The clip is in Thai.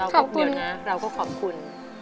เราก็ขอบคุณ